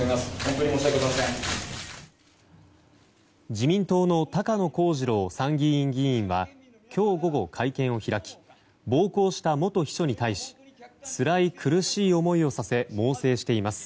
自民党の高野光二郎参議院議員は今日午後、会見を開き暴行した元秘書に対しつらい苦しい思いをさせ猛省しています。